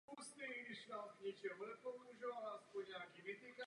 Jasné a zářící.